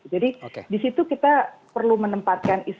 jadi di situ kita perlu menempatkan